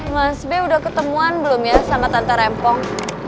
mas b udah ketemuan belum ya sama tante rempong